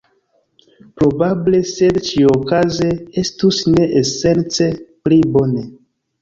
Probable, sed ĉiuokaze estus ne esence pli bone.